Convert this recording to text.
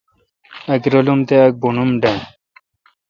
اک رالم تہ اک بونم ڈنڈ۔